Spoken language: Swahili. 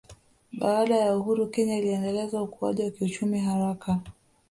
Baada ya uhuru Kenya iliendeleza ukuaji wa kiuchumi haraka